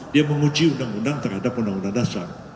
dia menguji undang undang terhadap undang undang dasar